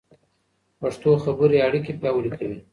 پښتو خبرې اړیکې پیاوړې کوي.